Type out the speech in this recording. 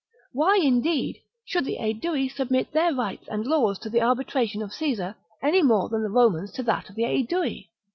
Why, in deed, should the Aedui submit their rights and laws to the arbitration of Caesar any more than the Romans to that of the Aedui